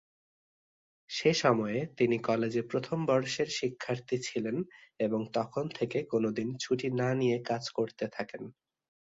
সে সময়ে তিনি কলেজে প্রথম বর্ষের শিক্ষার্থী ছিলেন এবং তখন থেকে কোন দিন ছুটি না নিয়ে কাজ করতে থাকেন।